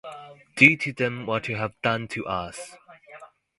Do to them what you have done to us.